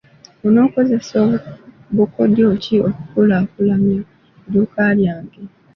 Onookozesa bukodyo ki okukulaakulanya edduuka lyange.